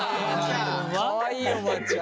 かわいいおばあちゃん。